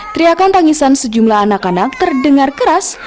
teriakan tangisan sejumlah anak anak terdengar keras